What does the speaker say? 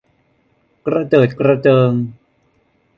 กระเจิดกระเจิง